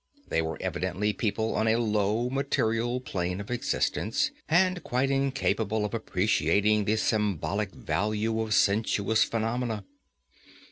They were evidently people on a low, material plane of existence, and quite incapable of appreciating the symbolic value of sensuous phenomena.